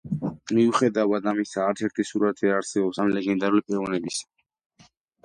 მიუხედავად ამისა, არცერთი სურათი არ არსებობს ამ ლეგენდარული პიროვნებისა.